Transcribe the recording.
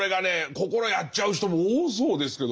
心をやっちゃう人も多そうですけど。